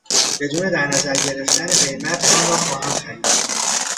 بدون در نظر گرفتن قیمت آن را خواهم خرید.